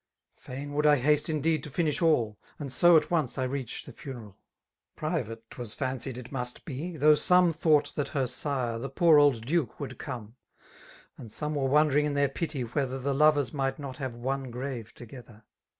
Fain would I haste indeed to finish all ; And so at once I reach tiie funeral. Friyate 'twaa fieuusied it must.be, though some Thoughlthathersire^ the poor old dttke> would come ; And some were wondering in their pity> whether The lovers might not hare one grave together.